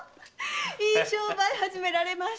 いい商売を始められましたね